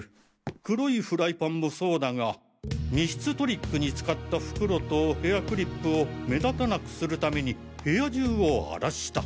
黒いフライパンもそうだが密室トリックに使った袋とヘアクリップを目立たなくする為に部屋中を荒らした。